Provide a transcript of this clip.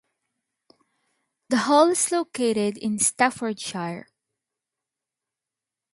The Hall is located in Staffordshire.